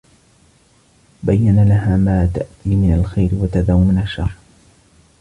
بَيَّنَ لَهَا مَا تَأْتِي مِنْ الْخَيْرِ وَتَذَرُ مِنْ الشَّرِّ